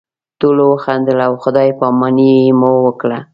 ټولو وخندل او خدای پاماني مو وکړه.